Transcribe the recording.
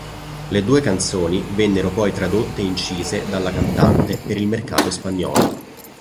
Le due canzoni vennero poi tradotte e incise dalla cantante per il mercato spagnolo.